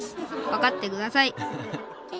分かってください」。